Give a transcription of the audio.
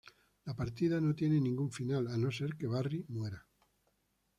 La partida no tiene ningún final, a no ser que Barry muera.